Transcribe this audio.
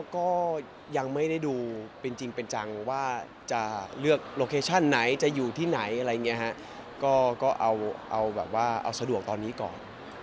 ก็เอาแบบว่าเอาสะดวกตอนนี้ก่อน